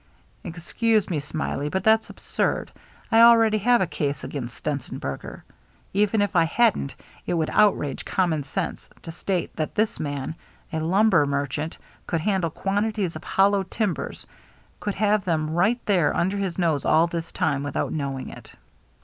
" Excuse me. Smiley, but that's absurd. I already have a case against Stenzenberger. Even if I hadn't, it would outrage common sense to state that this man, a lumber mer chant, could handle quantities of hollow timbers, could have them right there under his nose all this time, without knowing it."